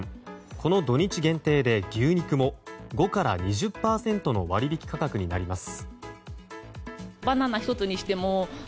この土日限定で牛肉も５から２０％の割引価格になります。